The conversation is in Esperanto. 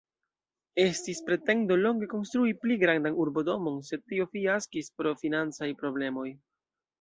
Estis pretendo longe konstrui pli grandan urbodomon, sed tio fiaskis pro financaj problemoj.